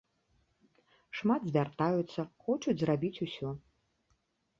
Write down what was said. Шмат звяртаюцца, хочуць зрабіць усё.